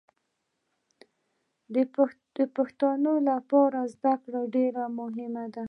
د پښتنو لپاره زدکړې ډېرې مهمې دي